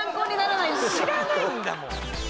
知らないんだもん。